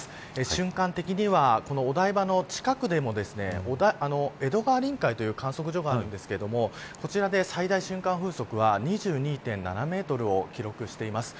瞬間的にはこのお台場の近くでも江戸川臨海という観測所がありますがこちらで、最大瞬間風速は２２．７メートルを記録しています。